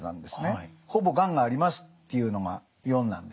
ほぼがんがありますっていうのが４なんです。